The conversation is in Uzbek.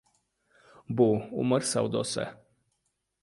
— Bu — umr savdosi.